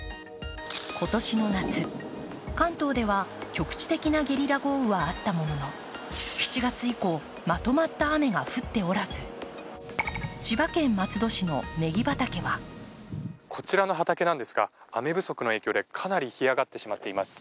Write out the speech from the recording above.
今年の夏、関東では直接的なゲリラ豪雨はあったものの７月以降、まとまった雨が降っておらず千葉県松戸市のねぎ畑はこちらの畑なんですが、雨不足の影響でかなり干上がってしまっています。